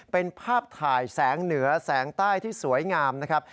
เป็นภาพถ่ายแสงเหนือแสงใต้ที่สวยงามนะครับ